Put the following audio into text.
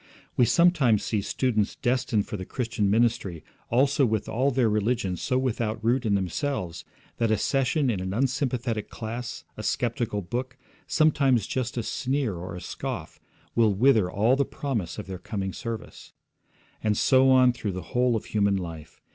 We sometimes see students destined for the Christian ministry also with all their religion so without root in themselves that a session in an unsympathetic class, a sceptical book, sometimes just a sneer or a scoff, will wither all the promise of their coming service. And so on through the whole of human life.